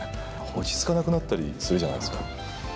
落ち着かなくなったりするじゃないですか。